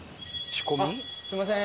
すみません。